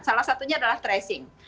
salah satunya adalah tracing